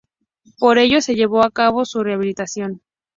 Por ello, se llevó a cabo su rehabilitación.